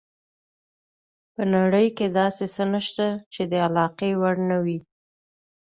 په نړۍ کې داسې څه نشته چې د علاقې وړ نه وي.